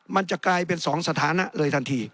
มันจะกลายเป็น๒สถานะเลยทันที